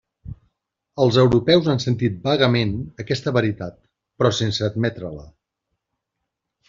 Els europeus han sentit vagament aquesta veritat, però sense admetre-la.